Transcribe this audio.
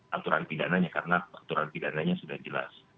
aturan pidananya karena aturan pidananya sudah jelas